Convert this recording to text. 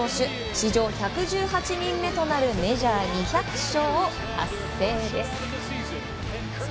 史上１１８人目となるメジャー２００勝を達成です。